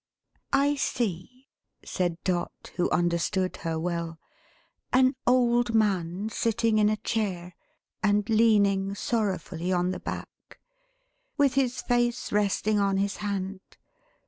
"I see," said Dot, who understood her well; "an old man sitting in a chair, and leaning sorrowfully on the back, with his face resting on his hand.